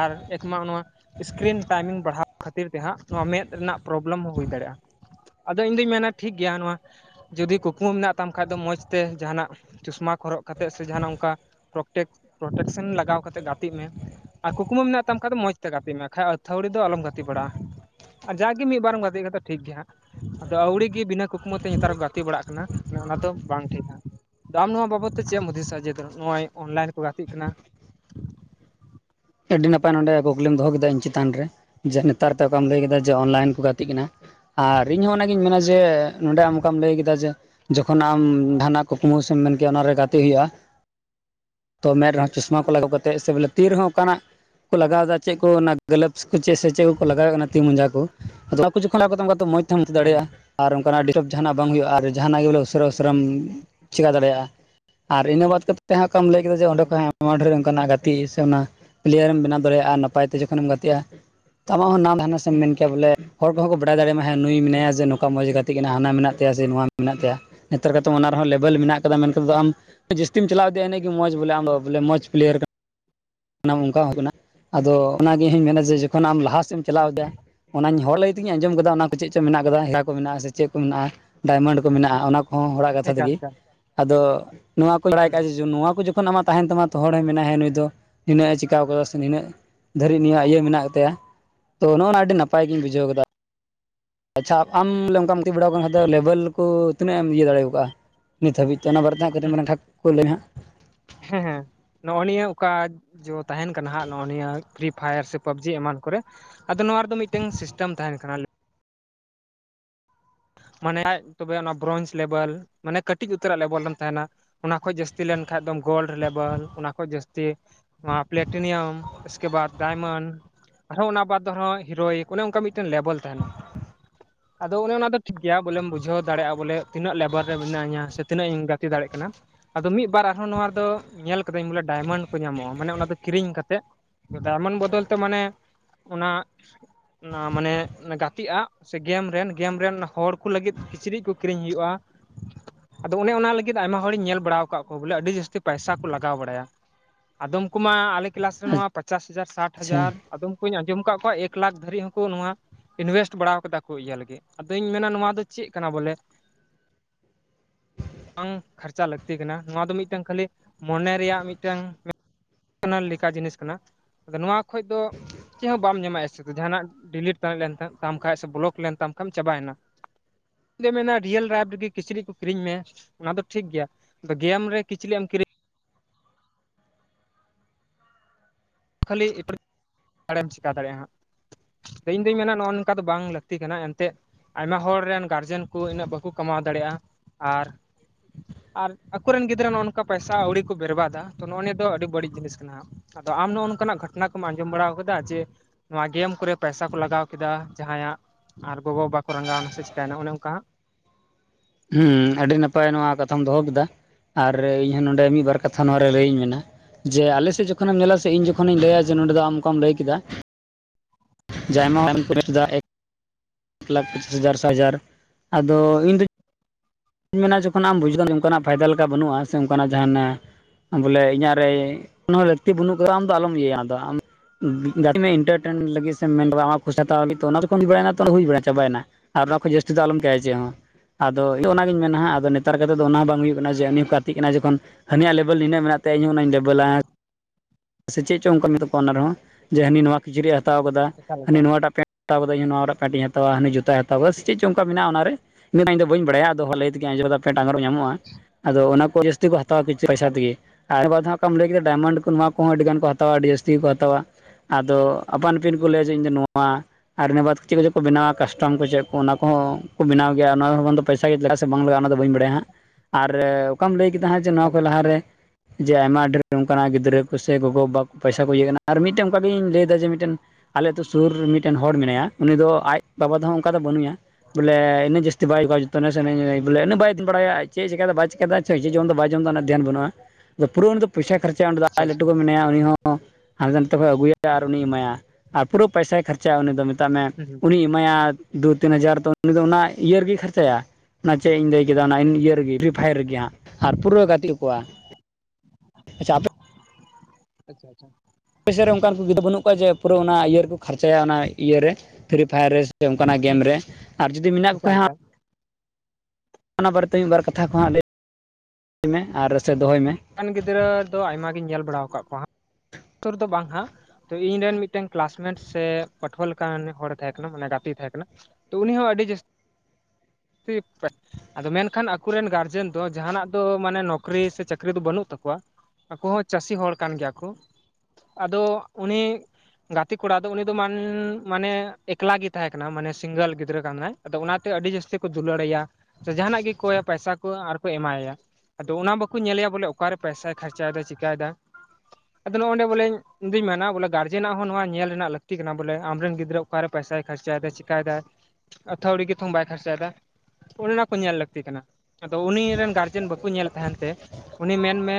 ᱟᱨ ᱮᱠᱢᱟ ᱱᱚᱣᱟ ᱮᱥᱠᱨᱤᱱ ᱴᱟᱭᱢᱤᱝ ᱵᱟᱲᱦᱟᱣ ᱠᱷᱟᱹᱛᱤᱨ ᱛᱮ ᱦᱟᱸᱜ ᱱᱚᱣᱟ ᱢᱮᱸᱫ ᱨᱮᱱᱟᱜ ᱯᱨᱚᱵᱞᱮᱢ ᱦᱚᱸ ᱦᱩᱭ ᱫᱟᱲᱮᱭᱟᱜᱼᱟ᱾ ᱟᱫᱚ ᱤᱧ ᱫᱩᱧ ᱢᱮᱱᱟ ᱴᱷᱤᱠ ᱜᱮᱭᱟ ᱱᱚᱣᱟ ᱡᱩᱫᱤ ᱠᱩᱠᱢᱩ ᱢᱮᱱᱟᱜ ᱛᱟᱢ ᱠᱷᱟᱡ ᱫᱚ ᱢᱚᱸᱡᱽ ᱛᱮ ᱡᱟᱦᱟᱱᱟᱜ ᱪᱚᱥᱢᱟ ᱠᱚ ᱦᱚᱨᱚᱜ ᱠᱟᱛᱮᱫ ᱥᱮ ᱡᱟᱦᱟᱱᱟᱜ ᱚᱱᱠᱟ ᱯᱨᱚᱠᱴᱮᱠ ᱯᱨᱚᱴᱮᱠᱥᱮᱱ ᱞᱟ ᱜᱟᱣ ᱠᱟᱛᱮᱫ ᱜᱟᱛᱮᱜ ᱢᱮ ᱟᱨ ᱠᱩᱠᱢᱩ ᱢᱮᱱᱟᱜ ᱛᱟᱢ ᱠᱷᱟᱡ ᱫᱚ ᱢᱚᱸᱡᱽ ᱛᱮ ᱜᱟᱛᱮᱜ ᱢᱮ ᱵᱟᱠᱷᱟᱡ ᱟᱹᱛᱷᱟᱲᱤ ᱫᱚ ᱟᱞᱚᱢ ᱜᱟᱛᱮ ᱵᱟᱲᱟᱜᱼᱟ᱾ ᱡᱟᱜᱽᱜᱮ ᱢᱤᱫ ᱵᱟᱨᱮᱢ ᱜᱟᱛᱮᱜ ᱠᱷᱟᱡ ᱴᱷᱤᱠ ᱜᱮᱭᱟ ᱦᱟᱸᱜ ᱟᱫᱚ ᱟᱹᱣᱲᱤ ᱜᱮ ᱵᱤᱱᱟᱹ ᱠᱩᱠᱢᱩ ᱛᱮ ᱱᱮᱛᱟᱨ ᱠᱚ ᱜᱟᱛᱮ ᱵᱟᱲᱟᱜ ᱠᱟᱱᱟ᱾ ᱚᱱᱟ ᱫᱚ ᱵᱟᱝ ᱴᱷᱤᱠᱟ ᱟᱢ ᱱᱚᱣᱟ ᱵᱟᱵᱚᱫ ᱛᱮ ᱪᱮᱫ ᱮᱢ ᱦᱩᱫᱤᱥᱟ ᱡᱮ ᱱᱚᱜᱼᱚᱭ ᱚᱱᱞᱟᱭᱤᱱ ᱛᱮ ᱠᱚ ᱜᱟᱛᱮᱜ ᱠᱟᱱᱟ᱾ [inaudible] ᱟᱹᱰᱤ ᱱᱟᱯᱟᱭ ᱱᱚᱰᱮ ᱠᱩᱠᱞᱤᱢ ᱫᱚᱦᱚ ᱠᱮᱫᱟ ᱤᱧ ᱪᱮᱛᱟᱱ ᱨᱮ ᱡᱮ ᱱᱮᱛᱟᱨ ᱛᱮ ᱚᱠᱟᱢ ᱞᱟᱹᱭ ᱠᱮᱫᱟ ᱡᱮ ᱚᱱᱞᱟᱭᱤᱱ ᱠᱚ ᱜᱟᱛᱮᱜ ᱠᱟᱱᱟ ᱟᱨ ᱤᱧ ᱦᱚᱸ ᱚᱱᱟᱜᱤᱧ ᱢᱮᱱᱟ ᱡᱮ ᱱᱚᱰᱮ ᱟᱢ ᱚᱱᱠᱟᱢ ᱞᱟᱹᱭ ᱠᱮᱫᱟ ᱡᱮ ᱡᱚᱠᱷᱚᱱ ᱟᱢ ᱡᱟᱦᱱᱟᱜ ᱠᱩᱠᱢᱩ ᱥᱮᱢ ᱢᱮᱱ ᱠᱮ ᱚᱱᱟᱨᱮ ᱜᱟᱛᱮᱜ ᱦᱩᱭᱩᱜᱼᱟ ᱛᱚ ᱢᱮᱫ ᱨᱮᱦᱚᱸ ᱪᱚᱥᱢᱟ ᱠᱚ ᱞᱟᱜᱟᱣ ᱠᱟᱛᱮᱮᱫ ᱥᱮ ᱵᱚᱞᱮ ᱛᱤ ᱨᱮᱦᱚᱸ ᱚᱚᱱᱠᱟᱱᱟᱜ ᱠᱚ ᱞᱟᱜᱟᱣᱮᱫᱫᱟ ᱪᱮᱫ ᱠᱚ ᱚᱱᱟ ᱜᱞᱟᱵᱽᱥ ᱠᱚ ᱪᱮᱫ ᱥᱮ ᱪᱮᱫ ᱠᱚᱠᱚ ᱞᱟᱜᱟᱣᱮᱫ ᱠᱟᱱᱟ ᱛᱤ ᱢᱚᱡᱟ ᱠᱚ ᱟᱫᱚ ᱚᱱᱟ ᱠᱚ [unintelligible] ᱢᱚᱡᱽ [unintelligible] ᱦᱩᱸ ᱫᱟᱲᱮᱭᱟᱜᱼᱟ ᱟᱨ ᱚᱱᱠᱟᱱᱟᱜ [unintelligible] ᱡᱟᱦᱟᱱᱟᱜ ᱵᱟᱝ ᱦᱩᱭᱩᱜᱼᱟ ᱟᱨ ᱡᱟᱦᱟᱱᱟᱜ ᱜᱮ ᱵᱚᱞᱮ ᱩᱥᱟᱹᱨᱟ ᱩᱥᱟᱹᱨᱟᱢ ᱪᱮᱠᱟ ᱫᱟᱲᱮᱭᱟᱜᱼᱟ ᱟᱨ ᱤᱱᱟᱹ ᱵᱟᱫ ᱠᱟᱛᱮᱫ ᱮᱢ ᱞᱟᱹᱭ ᱠᱮᱫᱟ ᱡ ᱚᱸᱰᱮ ᱦᱩᱸ ᱠᱷᱚᱱ ᱟᱭᱢᱟ ᱰᱷᱮᱨ ᱚᱱᱠᱟᱱᱟᱜ ᱜᱟᱛᱮᱜ ᱥᱮ ᱚᱱᱟ ᱯᱞᱮᱭᱟᱨᱮᱢ ᱵᱮᱱᱟᱣ ᱫᱟᱲᱮᱭᱟᱜᱼᱟ ᱱᱟᱯᱟᱭ ᱛᱮ ᱡᱚᱠᱷᱚᱱᱮᱢ ᱜᱟᱛᱮᱜᱼᱟ ᱛᱟᱢᱟ ᱦᱚᱸ ᱱᱟᱡ [unintelligible] ᱮᱢ ᱢᱮᱱ ᱠᱮᱭᱟ ᱵᱚᱞᱮ ᱦᱚᱲ ᱠᱚᱦᱚᱸ ᱠᱚ ᱵᱟᱰᱟᱭ ᱫᱟᱲᱮᱭᱟᱜᱟ ᱦᱮ ᱱᱩᱭ ᱢᱮᱱᱟᱭᱟ ᱡᱮ ᱱᱚᱝᱠᱟ ᱢᱚᱡᱽ ᱜᱟ ᱛᱤᱜ ᱠᱟᱱᱟ ᱦᱟᱱᱟ ᱢᱮᱱᱟᱜ ᱛᱟᱭᱟ ᱥᱮ ᱱᱚᱣᱟ ᱢᱮᱱᱟᱜ ᱛᱟᱭᱟ ᱱᱮᱛᱟᱨ ᱜᱟᱛᱮ ᱚᱱᱟ ᱨᱮᱦᱚᱸ ᱞᱮᱵᱮᱞ ᱢᱮᱱᱟᱜ ᱠᱟᱫᱟ ᱢᱮᱱᱠᱷᱟᱱ ᱫᱚ ᱟᱢ ᱡᱟᱹᱛᱤᱢ ᱪᱟᱞᱟᱣ ᱤᱫᱤᱜ-ᱟ ᱩᱱᱟᱹᱜ ᱜᱤ ᱢᱚᱡᱽ ᱵᱚᱞᱮ ᱟᱢ ᱫᱚ ᱢᱚᱢᱷ ᱯᱞᱮᱭᱟᱨ ᱠᱟ ᱱᱟᱢ ᱚᱱᱠᱟ ᱦᱚᱸ ᱠᱟᱱᱟ ᱟᱫᱚ ᱚᱱᱟᱜᱮ ᱤᱧ ᱢᱮᱱᱟ ᱡᱮ ᱡᱚᱠᱷᱚᱱ ᱟᱢ ᱞᱟᱦᱟ ᱥᱮᱫ ᱮᱢ ᱪᱟᱞᱟᱣᱮᱫᱟ ᱚᱱᱟᱧ ᱦᱚᱲ ᱞᱟᱹᱭ ᱛᱮᱜᱤᱧ ᱟᱸᱡᱚᱢ ᱠᱟᱫᱟ ᱚᱱᱟ ᱠᱚ ᱪᱮᱫ ᱪᱚ ᱢᱮᱱᱟᱜ ᱠᱟᱫᱟ ᱦᱮᱨᱟ ᱠᱚ ᱢᱮᱱᱟᱜᱼᱟ ᱥᱮ ᱪᱮᱫ ᱠᱚ ᱢᱮᱱᱟᱜᱼᱟ ᱰᱟᱭᱢᱚᱱᱰ ᱢᱮᱱᱟᱜᱼᱟ ᱚᱱᱟ ᱠᱚᱦᱚᱸ ᱦᱚᱲᱟᱜ ᱠᱟᱛᱷᱟ ᱮᱠᱟᱞ ᱛᱮᱜᱮ ᱮᱠᱟᱞ ᱟᱫᱚ ᱱᱚᱣᱟ ᱠᱚ ᱵᱟᱲᱟᱭ ᱦᱩᱸ ᱠᱟᱜᱼᱟ ᱱᱚᱣᱟ ᱠᱚ ᱛᱚᱠᱷᱚᱱ ᱟᱢᱟᱜ ᱛᱟᱦᱮᱱ ᱛᱟᱢᱟ ᱛᱚ ᱦᱚᱲᱮ ᱢᱮᱱᱟ ᱦᱮᱸ ᱱᱩᱭ ᱫᱚ ᱱᱤᱱᱟᱹᱜ ᱮ ᱪᱤᱠᱟᱹ ᱠᱟᱫᱟ ᱥᱮ ᱱᱤᱱᱟᱹᱜ ᱫᱷᱟᱹᱨᱤᱡ ᱱᱤᱭᱟ ᱤᱭᱟᱹ ᱢᱮᱱᱟᱜ ᱛᱟᱭᱟ ᱛᱚ ᱱᱚᱜᱼᱚᱱᱟ ᱟᱹᱰᱤ ᱱᱟᱯᱟᱭ ᱜᱤᱧ ᱵᱩᱡᱷᱟᱣ ᱠᱮᱫᱟ ᱟᱪᱪᱷᱟ ᱟᱢ ᱚᱱᱠᱟᱢ ᱜᱟᱛᱤ ᱵᱟᱲᱟᱟᱣ ᱠᱟᱜ ᱠᱷᱟᱱ ᱫᱚ ᱞᱮᱵᱮᱞ ᱠᱚ ᱛᱤᱱᱟᱹᱜ ᱮᱢ ᱤᱭᱟᱹ ᱫᱟᱲᱮᱣ ᱟᱠᱟᱜᱼᱟ ᱱᱤᱛ ᱦᱟᱹᱵᱤᱡ ᱛᱮ ᱚᱱᱟ ᱵᱟᱨᱮᱛᱮ ᱠᱟᱹᱴᱤᱡ ᱦᱩᱸ ᱦᱟᱸᱜ ᱠᱚ ᱞᱟᱹᱭ ᱢᱮ ᱦᱟᱸᱜ ᱦᱮᱸ ᱦᱮᱸ ᱱᱚᱜᱼᱚᱭ ᱱᱤᱭᱟᱹ ᱚᱠᱟ ᱡᱚ ᱛᱟᱦᱮᱱ ᱠᱟᱱᱟ ᱦᱟᱸᱜ ᱱᱚᱜᱼᱚ ᱱᱤᱭᱟᱹ ᱯᱷᱨᱤ ᱯᱷᱟᱭᱟᱨ ᱥᱮ ᱯᱟᱵᱡᱤ ᱮᱢᱟᱱ ᱠᱚᱨᱮ ᱟᱫᱚ ᱱᱚᱣᱟ ᱨᱮᱫᱚ ᱢᱤᱫᱴᱮᱱ ᱥᱤᱥᱴᱮᱢ ᱛᱟᱦᱮᱱ ᱠᱟᱱᱟ ᱢᱟᱱᱮ ᱟᱡ ᱛᱚᱵᱮ ᱚᱱᱟ ᱵᱨᱚᱡᱽ ᱞᱮᱵᱮᱞ ᱢᱟᱱᱮ ᱠᱟᱹᱴᱤᱡ ᱩᱛᱟᱹᱨᱟᱜ ᱞᱮᱵᱮᱞ ᱨᱮᱢ ᱛᱟᱦᱮᱱᱟ ᱚᱱᱟ ᱠᱷᱚᱡ ᱡᱟᱹᱥᱛᱤ ᱞᱮᱱᱠᱷᱟᱡ ᱫᱚ ᱜᱳᱞᱰ ᱞᱮᱵᱮᱞ ᱚᱱᱟ ᱠᱷᱚᱡ ᱡᱟᱹᱥᱛᱤ ᱱᱚᱣᱟ ᱯᱞᱟᱴᱤᱱᱤᱭᱟᱢ ᱥᱠᱮ ᱵᱟᱫ ᱰᱟᱭᱢᱚᱱᱰ ᱟᱨᱦᱚᱸ ᱚᱱᱟ ᱵᱟᱫ ᱦᱤᱨᱳᱭᱤᱠ ᱚᱱᱮ ᱚᱱᱠᱟ ᱢᱤᱫᱴᱮᱱ ᱞᱮᱵᱮᱞ ᱛᱟᱦᱮᱱᱟ ᱟᱫᱚ ᱚᱱᱮ ᱚᱱᱟ ᱫᱚ ᱴᱷᱤᱠ ᱜᱮᱭᱟ ᱵᱚᱞᱮ ᱵᱩᱡᱷᱟᱹᱣ ᱫᱟᱲᱮᱭᱟᱜᱼᱟ ᱵᱚᱞ ᱛᱤᱱᱟᱹ ᱞᱮᱵᱮᱠ ᱨᱮ ᱢᱮᱱᱟᱧᱟ ᱥᱮ ᱛᱤᱱᱟᱹᱜ ᱤᱧ ᱜᱟᱛᱮ ᱫᱟᱲᱮᱭᱟᱜ ᱠᱟᱱᱟ ᱟᱫᱚ ᱢᱤᱫᱵᱟᱨ ᱟᱨᱦᱚᱸ ᱱᱚᱣᱟ ᱨᱮᱫᱚ ᱧᱮᱞ ᱠᱟᱫᱟᱹᱧ ᱵᱚᱞᱮ ᱰᱟᱭᱢᱚᱱᱰ ᱠᱚ ᱧᱟᱢᱚᱜᱼᱟ ᱢᱟᱱᱮ ᱚᱱᱟ ᱫᱚ ᱠᱤᱨᱤᱧ ᱠᱟᱛᱮᱜ ᱰᱟᱭᱢᱚᱱᱰ ᱵᱚᱫᱚᱞᱛᱮ ᱢᱟᱱᱮ ᱚᱱᱟ ᱚᱱᱟ ᱢᱟᱱᱮ ᱜᱟᱛᱮᱜᱼᱟᱜ ᱥᱮ ᱜᱮᱢ ᱨᱮᱱ ᱜᱮᱢ ᱨᱮᱱ ᱦᱚᱲ ᱩᱱᱠᱩ ᱞᱟᱹᱜᱤᱫ ᱠᱤᱪᱨᱤᱡᱽ ᱠᱚ ᱠᱤᱨᱤᱧ ᱦᱩᱭᱩᱜᱼᱟ ᱟᱫᱚ ᱚᱱᱮ ᱚᱱᱟ ᱞᱟᱹᱜᱤᱫ ᱟᱭᱢᱟ ᱦᱚᱲᱤᱧ ᱧᱮᱞ ᱵᱟᱲᱟ ᱟᱠᱟᱫ ᱠᱚᱣᱟ ᱵᱚᱞᱮ ᱟᱹᱰᱤ ᱡᱟᱹᱥᱛᱤ ᱯᱟᱭᱥᱟ ᱠᱚ ᱞᱟᱜᱟᱣ ᱵᱟᱲᱟᱭᱟ ᱟᱫᱚᱢ ᱠᱚᱢᱟ ᱟᱞᱮ ᱠᱮᱞᱟᱥ ᱨᱮ ᱱᱚᱣᱟ ᱯᱚᱪᱟᱥ ᱦᱟᱡᱟᱨ ᱥᱟᱴ ᱟᱪᱪᱷᱟ ᱦᱟᱡᱟᱨ ᱟᱫᱚᱢ ᱠᱩᱧ ᱟᱸᱡᱚᱢ ᱟᱠᱟᱫ ᱠᱚᱣᱟ ᱮᱠ ᱞᱟᱠᱷ ᱫᱷᱟᱹᱨᱤᱡ ᱦᱚᱸᱠᱚ ᱱᱚᱣᱟ ᱤᱱᱵᱷᱮᱥᱴ ᱵᱟᱲᱟ ᱠᱟᱫᱟ ᱠᱚ ᱤᱭᱟᱹ ᱞᱟᱹᱜᱤᱫ ᱛᱟᱭᱤᱧ ᱢᱮᱱᱟ ᱱᱚᱣᱟ ᱫᱚ ᱪᱮᱫ ᱠᱟᱱᱟ ᱵᱚᱞᱮ ᱵᱟᱝ ᱠᱷᱚᱨᱪᱟ ᱞᱟᱹᱠᱛᱤ ᱠᱟᱱᱟ ᱱᱚᱣᱟ ᱫᱚ ᱢᱤᱫᱴᱟᱝ ᱠᱷᱟᱹᱞᱤ ᱢᱚᱱᱮ ᱨᱮᱭᱟᱜ ᱢᱤᱫᱴᱟᱝ [unintelligible] ᱞᱮᱠᱟ ᱡᱤᱱᱤᱥ ᱠᱟᱱᱟ ᱟᱫᱚ ᱱᱚᱣᱟ ᱠᱷᱚᱡ ᱫᱚ ᱪᱮᱫ ᱦᱚᱸ ᱵᱟᱢ ᱧᱟᱢᱟᱼᱟ ᱮ ᱥᱟᱛᱷᱮ ᱡᱟᱦᱟᱱᱟᱜ ᱰᱤᱞᱤᱴ ᱛᱟᱦᱮᱸ ᱞᱮᱱ ᱛᱟᱢ ᱠᱷᱟᱡ ᱥᱮ ᱵᱞᱚᱠ ᱞᱮᱱ ᱛᱟᱢ ᱠᱷᱟᱢ ᱪᱟᱵᱟᱭᱮᱱᱟ ᱤᱧ ᱢᱮᱱᱟ ᱨᱤᱭᱮᱞ ᱞᱟᱭᱤᱯᱷ ᱨᱮᱜᱮ ᱠᱤᱪᱨᱤᱡ ᱠᱚ ᱠᱤᱨᱤᱧ ᱢᱮ ᱚᱱᱟ ᱫᱚ ᱴᱷᱤᱠ ᱜᱮᱭᱟ ᱟᱫᱚ ᱜᱮᱢ ᱨᱮ ᱠᱤᱪᱨᱤᱡ ᱮᱢ ᱠᱤᱨᱤᱧ ᱠᱷᱟᱹᱞᱤ ᱟᱲᱮᱢ ᱪᱮᱠᱟ ᱫᱟᱲᱮᱭᱟᱜᱼᱟ ᱦᱟᱸᱜ ᱤᱧ ᱫᱩᱧ ᱢᱮᱱᱟ ᱱᱚᱜᱼᱚ ᱱᱚᱝᱠᱟ ᱫᱚ ᱵᱟᱝ ᱞᱟᱹᱠᱛᱤ ᱠᱟᱱᱟ ᱮᱱᱛᱮᱜ ᱟᱭᱢᱟ ᱦᱚᱲ ᱨᱮᱱ ᱜᱟᱨᱡᱮᱱ ᱠᱚ ᱩᱱᱟᱹᱜ ᱵᱟᱠᱚ ᱠᱟᱢᱟᱣ ᱫᱟᱲᱮᱭᱟᱜᱼᱟ ᱟᱨ ᱟᱨ ᱟᱠᱚᱨᱮᱱ ᱜᱤᱫᱽᱨᱟᱹ ᱱᱚᱜᱼᱚ ᱱᱚᱝᱠᱟ ᱯᱚᱭᱥᱟ ᱟᱹᱣᱲᱤ ᱠᱚ ᱵᱮᱨᱵᱟᱫᱟ ᱛᱚ ᱱᱚᱜᱼᱚᱭ ᱱᱤᱭᱟᱹ ᱫᱚ ᱟᱹᱰᱤ ᱵᱟᱹᱲᱤᱡ ᱡᱤᱱᱤᱥ ᱠᱟᱱᱟ ᱟᱫᱚ ᱟᱢ ᱱᱚᱜᱼᱚ ᱱᱚᱝᱠᱟᱱᱟᱜ ᱜᱷᱚᱴᱚ ᱠᱚᱢ ᱟᱸᱡᱚᱢ ᱵᱟᱲᱟᱣ ᱟ ᱡᱮ ᱱᱚᱣᱟ ᱜᱮᱢ ᱠᱚᱨᱮ ᱯᱚᱭᱥᱟ ᱠᱚ ᱞᱟᱜᱟᱣ ᱠᱮᱫᱟ ᱡᱟᱦᱟᱸᱭᱟᱜ ᱟᱨ ᱜᱚᱜᱚᱼᱵᱟ ᱠᱚ ᱨᱟᱸᱜᱟᱣᱱᱟ ᱥᱮ ᱪᱤᱠᱟᱭᱱᱟ ᱚᱱᱮ ᱚᱱᱠᱟᱸ ᱦᱮᱸ ᱟᱹᱰᱤ ᱱᱟᱯᱟᱭ ᱱᱚᱣᱟ ᱠᱟᱛᱷᱟᱢ ᱫᱚᱦᱚ ᱠᱮᱫᱟ ᱟᱨ ᱤᱧᱦ ᱱᱚᱰᱮ ᱢᱤᱫᱵᱟᱨ ᱠᱟᱛᱷᱟ ᱱᱚᱮ ᱞᱟᱹᱭᱟᱹᱧ ᱢᱮᱱᱟ ᱡᱮ ᱟᱞᱮᱮᱥᱮᱫ ᱡᱚᱠᱷᱚᱱᱮᱢ ᱧᱮᱞᱟ ᱥᱮ ᱤᱧ ᱡᱚᱠᱷᱚᱱᱤᱧ ᱞᱟᱹᱭᱟᱮ ᱱᱚᱰᱮ ᱫᱚ ᱟᱢ ᱚᱠᱟᱢ ᱞᱟᱹᱭ ᱠᱮᱫᱟ ᱮᱢ ᱞᱟᱠᱷ ᱯᱚᱸᱪᱤᱥ ᱦᱟᱡᱟᱨ ᱟᱫᱚ ᱤᱧ ᱫᱚ ᱤᱧ ᱢᱮᱱᱟ ᱡᱚᱠᱷᱚᱱ ᱟᱢ ᱵᱩᱡᱷᱣ ᱚᱱᱠᱟᱱᱟᱜ ᱯᱷᱟᱭᱫᱟ ᱞᱮᱠᱟ ᱵᱟᱹᱱᱩᱜᱼᱟ ᱥᱮ ᱚᱱᱠᱟᱱᱟᱜ ᱡᱟᱦᱟᱱᱟᱜ ᱵᱚᱞᱮ ᱤᱧᱟᱹᱜ ᱨᱮ ᱞᱟᱹᱠᱛᱤ ᱵᱟᱹᱱᱩᱜ ᱟᱠᱟᱫᱟ ᱟᱢ ᱫᱚ ᱟᱞᱚᱢ ᱤᱭᱟᱹᱭᱟ ᱟᱫᱚ ᱜᱟᱛᱮᱢ ᱤᱱᱴᱟᱨᱴᱮᱱ ᱞᱟᱹᱜᱤᱫ ᱥᱮ ᱢᱮᱱ ᱞᱟᱹᱜᱤᱫ ᱚᱱᱟᱚ ᱠᱷᱚᱱ ᱦᱩᱭ ᱵᱟᱲᱟᱭᱱᱟ ᱛᱚ ᱦᱩᱭ ᱵᱟᱲᱟ ᱪᱟᱵᱟᱭᱮᱱᱟ᱾ ᱟᱨ ᱚᱱᱟ ᱠᱷᱚᱱ ᱡᱟᱹᱥᱛᱤ ᱫᱚ ᱟᱞᱚᱢ ᱠᱮ ᱪᱮ ᱦᱚᱸ ᱟᱫᱚ ᱚᱱᱟᱜᱤᱧ ᱢᱮᱱᱟ ᱦᱸᱜ ᱟᱫᱚ ᱱᱮᱛᱟᱨ ᱠᱟᱛᱮᱫ ᱫᱚ ᱚᱱᱟ ᱦᱚᱸ ᱵᱟᱝ ᱦᱩᱭᱩᱜ ᱠᱟᱱᱟ ᱡᱮ ᱩᱱᱤ ᱦᱚᱸ ᱜᱟᱛᱮᱜ ᱠᱟᱱᱟᱭ ᱡᱚᱠᱷᱚᱱ ᱦᱟᱱᱤᱭᱟᱜ ᱞᱮᱵᱮᱞ ᱤᱱᱟᱹᱜ ᱢᱮᱱᱟᱜ ᱛᱟᱭ ᱤᱧᱚᱸ ᱚᱱᱟᱧ ᱞᱮᱵᱮᱞᱟ ᱥᱮ ᱪᱮᱫ ᱪᱚᱝ ᱚᱝᱠᱟ ᱚᱱᱟ ᱨᱮᱦᱚᱸ ᱡᱮ ᱦᱟᱹᱱᱤ ᱱᱚᱣᱟ ᱠᱤᱪᱨᱤᱡ ᱮ ᱦᱟᱛᱟᱣ ᱠᱟᱫᱟ ᱮᱠᱟᱞ ᱦᱟᱹᱱᱤ ᱮᱠᱟᱞ ᱱᱚᱣᱟᱴᱟᱜ ᱯᱮᱱᱴ ᱛᱟᱣᱵᱟᱫᱮ ᱤᱧ ᱱᱚᱣᱟ ᱴᱟᱜ ᱯᱮᱱᱴ ᱤᱧ ᱦᱟᱛᱟᱣᱟ ᱦᱟᱱᱤ ᱡᱩᱛᱟᱭ ᱦᱟᱛᱟᱣᱟ ᱵᱟᱥ ᱪᱮᱫ ᱪᱚᱝ ᱚᱱᱠᱟ ᱢᱮᱱᱟᱜᱼᱟ ᱚᱱᱟᱨᱮ ᱩᱱᱟᱹᱜ ᱫᱚ ᱤᱧ ᱫᱚ ᱵᱟᱹᱧ ᱵᱟᱲᱟᱭᱟ ᱫᱚᱦᱚ ᱞᱟᱹᱭ ᱛᱮᱜᱮ ᱟᱸᱡᱚᱢᱮ ᱫᱟᱯᱮ ᱯᱮᱱᱴ ᱧᱟᱢᱚᱜᱼᱟ ᱟᱫᱚ ᱚᱱᱟ ᱠᱚ ᱡᱟᱹᱥᱛᱤ ᱠᱚ ᱦᱟᱛᱟᱣᱟ ᱠᱪᱷᱩ ᱯᱚᱭᱥᱟ ᱮᱠᱟᱞ ᱛᱮᱜᱮ [unintelligible] ᱚᱠᱟᱢ ᱞᱟᱹᱭ ᱠᱮᱫᱟ ᱰᱟᱭᱢᱚᱱᱰ ᱠᱚ ᱱᱚᱣᱟ ᱠᱚᱦᱚᱸ ᱟᱹᱰᱤ ᱜᱟᱱ ᱠᱚ ᱦᱟᱛᱟᱣᱟ ᱟᱹᱰᱤ ᱡᱥᱛᱤ ᱠᱚᱠᱚ ᱦᱟᱛᱟᱣᱟ ᱟᱫᱚ ᱟᱯᱟᱱ ᱟᱹᱯᱤᱱ ᱠᱚ ᱞᱟᱹᱭᱟ ᱡᱮ ᱤᱧᱫᱚ ᱱᱚᱣᱟ ᱟᱨ ᱤᱱᱟᱹ ᱵᱟᱫ ᱪᱮᱫ ᱠᱚ ᱪᱮᱫ ᱠᱚ ᱵᱮᱱᱟᱣᱟ ᱠᱟᱥᱴᱚᱢ ᱠᱚ ᱪᱮᱫ ᱠᱚ ᱚᱱᱟ ᱠᱚᱦᱚᱸ ᱠᱚ ᱵᱮᱱᱟᱣ ᱜᱮᱭᱟ ᱚᱱᱟ ᱦᱚᱸ ᱵᱟᱝ ᱫᱚ ᱯᱚᱭᱥᱟ [unintelligible] ᱞᱟᱜᱟᱜ-ᱟ ᱥᱮ ᱵᱟᱝ ᱞᱟᱜᱟᱜᱼᱟ ᱚᱱᱟ ᱫᱚ ᱵᱟᱹᱧ ᱵᱟᱲᱟᱭᱟ ᱦᱟᱸᱜ ᱟᱨ ᱚᱠᱟᱢ ᱞᱟᱹᱭ ᱠᱮᱫᱟ ᱦᱟᱸᱜ ᱡᱮ ᱱᱚᱣᱟ ᱮᱠᱟᱞ ᱠᱚ ᱞᱟᱦᱟᱨᱮ ᱡᱮ ᱟᱭᱢᱟ ᱰᱷᱮᱨ ᱚᱱᱠᱟᱱᱟᱜ ᱜᱤᱫᱽᱨᱟᱹ ᱠᱚᱥᱮ ᱜᱚᱜᱚᱼ ᱯᱚᱭᱥᱟ ᱠᱚ ᱤᱭᱟᱹᱜ ᱠᱟᱱᱟ ᱟᱨ ᱢᱤᱫᱴᱮᱱ ᱚᱱᱠᱟᱜᱤᱧ ᱞᱟᱹᱭᱟ ᱡᱮ ᱢᱤᱫᱴᱮᱱ ᱟᱞᱮ ᱟᱹᱛᱩ ᱥᱩᱨ ᱨᱮ ᱢᱤᱫᱴᱮᱱ ᱦᱚᱲ ᱢᱮᱱᱟᱭᱟ ᱩᱱᱤ ᱫᱚ ᱟᱡ ᱵᱟᱵᱟ ᱫᱚ ᱦᱟᱸᱜ ᱚᱱᱠᱟ ᱫᱚ ᱵᱟᱹᱱᱩᱭᱟ ᱵᱚᱞᱮ ᱤᱱᱟᱹ ᱡᱟᱹᱥᱛᱤ ᱵᱟᱭ ᱛᱚᱱᱮ ᱥᱟᱱᱟᱧ ᱵᱚᱞᱮ ᱩᱱᱟᱜ ᱵᱟᱭ ᱵᱟᱲᱟᱭᱟ ᱪᱮᱫ ᱪᱮᱠᱟᱫᱟ ᱵᱟᱭ ᱪᱤᱠᱟᱫᱟ ᱪᱮᱫ ᱠᱚᱪᱚ ᱢᱚᱢ ᱫᱟ ᱵᱟᱭ ᱡᱚᱢ ᱮᱫᱟ ᱩᱱᱟᱹᱜ ᱫᱷᱭᱟᱱ ᱵᱟᱹᱱᱩᱜᱼᱟ ᱩᱯᱨᱩᱢ ᱫᱚ ᱯᱩᱭᱥᱟᱹ ᱠᱷᱚᱨᱪᱟ ᱚᱰᱮᱸ ᱫᱚ ᱟᱪᱪᱷᱟ ᱟᱡ ᱞᱟᱹᱴᱩ ᱟᱪᱪᱷᱟ ᱠᱚ ᱢᱮᱱᱟᱭᱟ ᱩᱱᱤ ᱦᱚᱸ ᱦᱟᱱᱛᱮ ᱱᱟᱛᱮ ᱠᱷᱚᱱ ᱟᱹᱜᱩᱭᱟ ᱟᱨ ᱩᱱᱤᱭ ᱮᱢᱟᱭᱟ ᱟᱨ ᱯᱩᱨᱟᱹ ᱯᱚᱭᱥᱟᱭ ᱠᱷᱚᱨᱪᱟᱭᱼᱟ ᱩᱱᱤ ᱫᱚ ᱢᱮᱛᱟᱜ ᱢᱮ ᱦᱩᱸ ᱦᱩᱸ ᱩᱱᱤᱭ ᱮᱢᱟᱭᱟ ᱫᱩ ᱛᱤᱱ ᱦᱟᱡᱟᱨ ᱛᱚ ᱩᱱᱤᱫᱚ ᱚᱱᱟ ᱤᱭᱟᱹᱨ ᱨᱮ ᱜᱮᱭ ᱠᱷᱚᱨᱪᱟᱭᱟ ᱚᱱᱟ ᱪᱮᱫ ᱤᱧ ᱞᱟᱹᱭ ᱠᱮᱫᱟ ᱚᱱᱟ ᱤᱭᱟᱹ ᱨᱮᱜᱮ ᱯᱷᱨᱤ ᱯᱷᱟᱭᱟᱨ ᱨᱮᱜᱮ ᱦᱟᱸᱜ ᱟᱨ ᱯᱩᱨᱟᱹ ᱜᱟᱛᱮᱜ ᱟᱜᱩ ᱠᱚᱣᱟ ᱟᱪᱪᱷᱟ ᱟᱯᱮ ᱟᱪᱪᱷᱟ ᱟᱪᱪᱷᱟ ᱯᱮᱥᱮᱫ ᱨᱮ ᱚᱱᱠᱟᱱ ᱠᱩ ᱜᱤᱫᱽᱨᱟᱹ ᱵᱟᱹᱱᱩᱜ ᱠᱚᱣᱟ ᱡᱮ ᱯᱩᱨᱟᱹ ᱚᱱᱟ ᱤᱭᱟᱹ ᱨᱮᱠᱚ ᱠᱷᱚᱨᱪᱟᱭᱟ ᱚᱱᱟ ᱤᱭᱟᱹᱨᱮ ᱯᱷᱤᱨᱤ ᱯᱷᱟᱭᱟᱨ ᱨᱮ ᱚᱱᱠᱟᱱᱟᱜ ᱜᱮᱢ ᱦᱩᱸ ᱨᱮ ᱦᱩᱸ ᱟᱨ ᱡᱩᱫᱤ ᱢᱮᱱᱟᱜ ᱠᱚ ᱮᱠᱟᱞ ᱠᱷᱟᱱ ᱦᱟᱸᱜ ᱮᱠᱟᱞ ᱚᱱᱟ ᱵᱟᱨᱮᱛᱮ ᱢᱤᱫ ᱵᱟᱨ ᱠᱟᱛᱷᱟ ᱠᱚ ᱦᱟᱸᱜ ᱞᱟᱹᱭ ᱢᱮ ᱟᱨ ᱥᱮ ᱫᱚᱦᱚᱭ ᱢᱮ ᱟᱱ ᱠᱟᱱ ᱜᱤᱫᱽᱨᱟᱹ ᱫᱚ ᱟᱭᱢᱟ ᱜᱤᱧ ᱧᱮᱞ ᱵᱟᱲᱟ ᱟᱠᱟᱫ ᱠᱚᱣᱟ ᱟᱛᱩ ᱨᱮ ᱫᱚ ᱵᱟᱝ ᱦᱟᱸᱜ ᱛᱚ ᱤᱧᱨᱮ ᱨᱮᱱ ᱢᱤᱫᱴᱮᱱ ᱠᱮᱞᱟᱥᱢᱮᱴ ᱥᱮ ᱯᱟᱹᱴᱷᱩᱣᱟᱹ ᱞᱮᱠᱟᱱ ᱦᱚᱲ ᱛᱟᱦᱮᱸ ᱠᱟᱱᱟ ᱢᱟᱱᱮ ᱜᱟᱛᱮ ᱛᱟᱦᱮᱸ ᱠᱟᱱᱟ ᱛᱚ ᱩᱱᱤ ᱦᱚᱸ ᱟᱹᱰᱤ ᱡᱟᱹᱥᱛᱤ ᱟᱫᱚ ᱢᱮᱱᱠᱷᱟᱱ ᱟᱠᱩᱨᱮᱱ ᱜᱟᱨᱡᱮᱱ ᱫᱚ ᱡᱟᱦᱟᱱᱟᱜ ᱫᱚ ᱢᱟᱱᱮ ᱱᱚᱠᱨᱤ ᱥᱮ ᱪᱟᱹᱠᱨᱤ ᱪᱟᱹᱠᱨᱤ ᱫᱚ ᱵᱟᱹᱱᱩᱜ ᱛᱟᱠᱚᱣᱟ ᱟᱠᱚ ᱦᱚᱸ ᱪᱟᱹᱥᱤ ᱦᱚᱲ ᱠᱟᱱ ᱜᱮᱭᱟ ᱠᱚ ᱟᱫᱚ ᱩᱱᱤ ᱜᱟᱛᱮ ᱠᱚᱲᱟ ᱫᱚ ᱩᱱᱤ ᱫᱚ ᱢᱟᱱ ᱢᱟᱱᱮ ᱮᱠᱞᱟ ᱜᱮᱭ ᱛᱟᱦᱮᱸ ᱠᱟᱱᱟ ᱢᱟᱱᱮ ᱥᱤᱝᱜᱮᱞ ᱜᱤᱫᱽᱨᱟᱹ ᱠᱟᱱᱟᱭ ᱾ ᱟᱫᱚ ᱚᱱᱟᱛᱮ ᱟᱹᱰᱤ ᱡᱟᱹᱥᱛᱤ ᱠᱚ ᱫᱩᱞᱟᱹᱲ ᱟᱭᱟ ᱥᱮ ᱡᱟᱦᱟᱱᱟᱜ ᱜᱮ ᱠᱚᱭᱟ ᱯᱚᱭᱥᱟ ᱠᱚ ᱟᱨ ᱠᱚ ᱮᱢᱟᱭᱟ ᱟᱫᱚ ᱚᱱᱟ ᱵᱟᱠᱚ ᱧᱮᱞᱮᱭᱟ ᱵᱚᱞᱮ ᱚᱠᱟᱨᱮ ᱯᱚᱭᱥᱟᱭ ᱠᱷᱚᱨᱪᱟᱭᱮᱫᱟ ᱪᱤᱠᱟᱭᱮᱫᱟ ᱟᱫᱚ ᱱᱚᱜ ᱚᱰᱮ ᱵᱚᱞᱮ ᱤᱧᱫᱩ ᱢᱮᱱᱟ ᱟᱫᱚ ᱱᱚᱰᱮ ᱵᱚᱞᱮᱧ ᱤᱧ ᱫᱩᱧ ᱢᱟᱱᱟᱣ ᱵᱚᱞᱮ ᱜᱟᱨᱡᱮᱱᱟᱜ ᱦᱚᱸ ᱱᱚᱣᱟ ᱧᱮᱞ ᱨᱮᱱᱟᱜ ᱞᱟᱹᱠᱛᱤ ᱠᱟᱱᱟ ᱵᱚᱞᱮ ᱟᱢᱨᱮᱱ ᱜᱤᱫᱽᱨᱟᱹ ᱚᱠᱟᱨᱮ ᱯᱚᱭᱥᱟᱭ ᱠᱷᱚᱨᱪᱟᱭᱮᱫᱟ ᱪᱮᱠᱟᱭ ᱫᱟᱭ ᱟᱹᱛᱷᱟᱹᱣᱲᱤ ᱜᱮ ᱛᱷᱚᱝ ᱵᱟᱭ ᱠᱷᱚᱨᱪᱟᱭᱮᱫᱟ ᱚᱱᱟ ᱠᱚ ᱧᱮᱞ ᱞᱟᱹᱠᱛᱤ ᱠᱟᱱᱟ ᱟᱫᱚ ᱩᱱᱤ ᱨᱮᱱ ᱜᱟᱨᱡᱮᱱ ᱵᱟᱠᱚ ᱧᱮᱞᱮᱫ ᱛᱟᱦᱮᱱ ᱛᱮ ᱩᱱᱤ ᱢᱮᱱᱢᱮ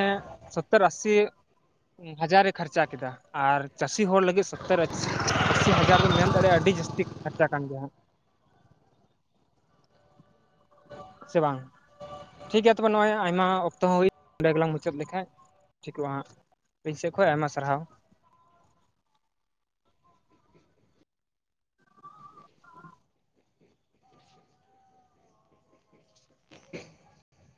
ᱥᱚᱛᱛᱚᱨ ᱟᱥᱤ ᱦᱟᱡᱟᱨᱮ ᱠᱷᱚᱨᱪᱟ ᱠᱮᱫᱟ ᱟᱨ ᱪᱟᱥᱤ ᱦᱚᱲ ᱞᱟᱹᱜᱤᱫ ᱟᱥᱤ ᱦᱟᱡᱟᱨ ᱫᱚᱢ ᱢᱮᱱ ᱫᱟᱲᱮᱭᱟᱜᱼᱟ ᱟᱹᱰᱤ ᱡᱟᱹᱥᱛᱤ ᱠᱷᱚᱨᱪᱟ ᱠᱟᱱ ᱜᱮᱭᱟ ᱦᱟᱸᱜ ᱥᱮ ᱵᱟᱝ ᱴᱷᱤᱠᱜᱮᱭᱟ ᱛᱚᱵᱮ ᱱᱚᱜᱼᱚᱭ ᱟᱭᱢᱟ ᱚᱠᱛᱚ ᱦᱚᱸ ᱦᱩᱭ ᱚᱸᱰᱮ ᱜᱮᱞᱟᱝ ᱢᱩᱪᱟᱹᱫ ᱞᱮᱠᱷᱟᱡ ᱴᱷᱤᱠᱚᱜᱼᱟ ᱦᱟᱸᱜ ᱤᱧ ᱥᱮᱫ ᱠᱷᱚᱱ ᱟᱭᱢᱟ ᱥᱟᱨᱦᱟᱣ [inaudible]